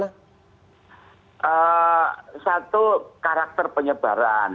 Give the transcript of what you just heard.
nah satu karakter penyebaran